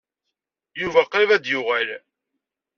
Yuba qrib ad d-yuɣal.